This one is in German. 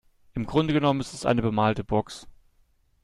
Im Grunde genommen ist es eine bemalte Box.